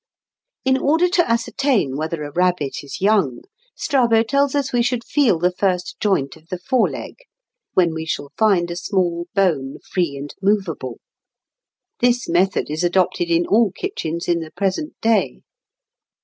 In order to ascertain whether a rabbit is young, Strabo tells us we should feel the first joint of the fore leg, when we shall find a small bone free and movable. This method is adopted in all kitchens in the present day.